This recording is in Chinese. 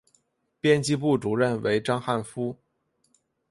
编辑部主任为章汉夫。